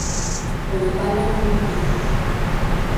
O de Palma non o coñezo.